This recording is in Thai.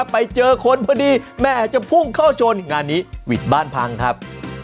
ไปเจอคนพอดีแม่จะพุ่งเข้าชนงานนี้หวิดบ้านพังครับ